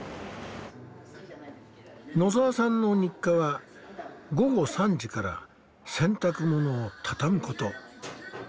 野澤さんの日課は午後３時から洗濯物を畳むこと。